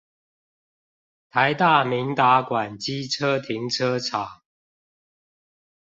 臺大明達館機車停車場